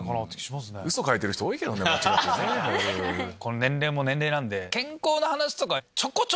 年齢も年齢なんで。